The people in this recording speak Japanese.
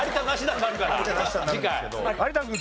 有田君